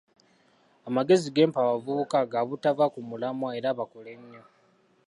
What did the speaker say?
Amagezi gempa abavubuka ga butava ku mulamwa era bakole nnyo.